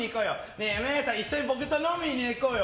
ねえ、お姉さん、一緒に僕と飲みに行こうよ！